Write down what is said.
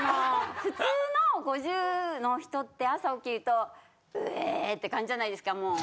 普通の５０の人って朝起きると「うぇ」って感じじゃないですかもう。